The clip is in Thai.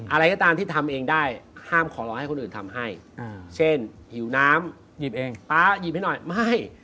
อะไรก็ตามที่ทำเองได้ห้ามของรอให้คนอื่นทำให้เช่นหิวน้ำหยิบเองป๊าหยิบให้หน่อยไม่